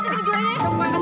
gua juga berantah